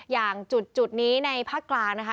อย่างจุดนี้ในภาคกลางนะคะ